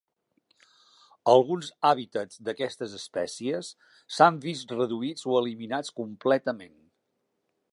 Alguns hàbitats d'aquestes espècies s'han vist reduïts o eliminats completament.